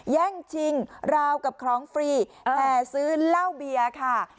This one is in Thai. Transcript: แย่งชิงราวกับของฟรีแห่ซื้อเหล้าเบียร์ค่ะ